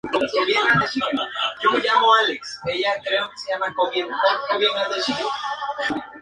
El cine proyectó la película durante seis semanas, lo que nunca antes había sucedido.